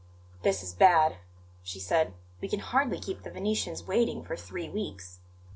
"This is bad," she said. "We can hardly keep the Venetians waiting for three weeks."